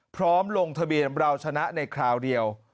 ลงทะเบียนเราชนะในคราวเดียว